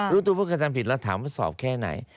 รู้ตัวผู้กระทำผิดแล้วถามว่าสอบแค่ไหน